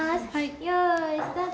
よいスタート！